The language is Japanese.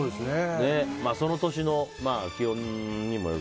その年の気温にもよる。